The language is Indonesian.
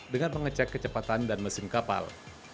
dengan mengecek kecepatan dan mesin kapal